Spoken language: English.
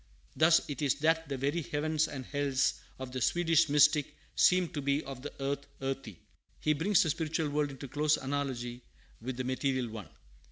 Thus it is that the very "heavens" and "hells" of the Swedish mystic seem to be "of the earth, earthy." He brings the spiritual world into close analogy with the material one.